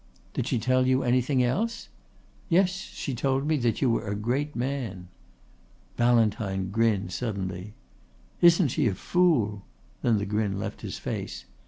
"Did she tell you anything else?" "Yes. She told me that you were a great man." Ballantyne grinned suddenly. "Isn't she a fool?" Then the grin left his face.